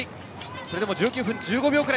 それでも１９分１５秒くらい。